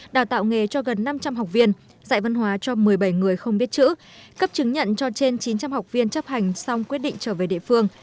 đào tạo nghề cho gần năm trăm linh học viên dạy văn hóa cho một mươi bảy người không biết chữ cấp chứng nhận cho trên chín trăm linh học viên chấp hành xong quyết định trở về địa phương